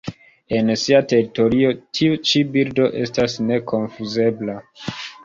En sia teritorio, tiu ĉi birdo estas nekonfuzebla.